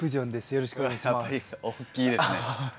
よろしくお願いします。